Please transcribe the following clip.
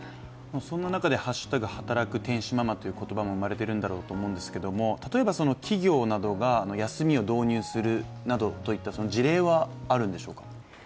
そんな中でハッシュタグ天使ママという言葉も生まれていると思うんですけれども例えば企業などが休みを導入するといった事例はあるんでしょうか？